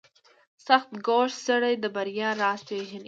• سختکوش سړی د بریا راز پېژني.